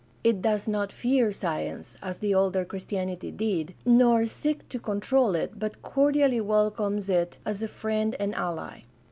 It does not fear science, as the older Christianity did, nor seek to control it, but cordially welcomes it as a friend and ally.